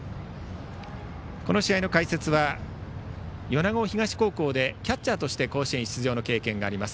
この試合の解説は米子東高校でキャッチャーとして甲子園出場の経験があります